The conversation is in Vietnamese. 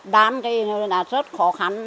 đán thì là rất khó khăn